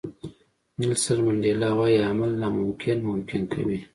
نیلسن منډیلا وایي عمل ناممکن ممکن کوي.